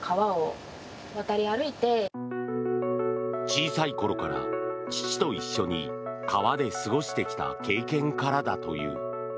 小さい頃から父と一緒に川で過ごしてきた経験からだという。